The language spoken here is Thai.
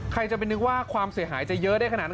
ใครจะไปนึกว่าความเสียหายจะเยอะได้ขนาดนั้น